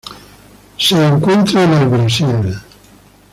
Se encuentra en el Brasil